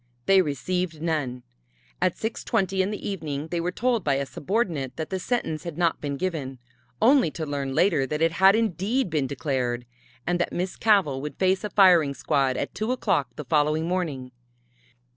They received none. At 6:20 in the evening they were told by a subordinate that the sentence had not been given only to learn later that it had indeed been declared, and that Miss Cavell would face a firing squad at two o'clock the following morning.